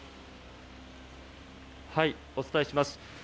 お伝えします。